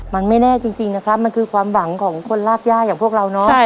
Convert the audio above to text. มันไม่แน่จริงนะครับมันคือความหวังของคนรากย่าอย่างพวกเราเนาะ